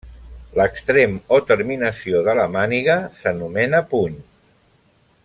L'extrem o terminació de la màniga s'anomena puny.